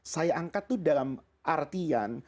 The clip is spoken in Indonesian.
saya angkat itu dalam artian